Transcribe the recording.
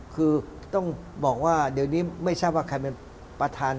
คือต้องบอกว่าเดี๋ยวนี้ไม่ทราบว่าใครเป็นประธาน